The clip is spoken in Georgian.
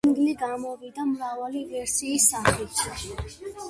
სინგლი გამოვიდა მრავალი ვერსიის სახით.